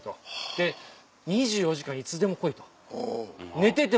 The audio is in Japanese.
で２４時間いつでも来いと寝てても起こせと。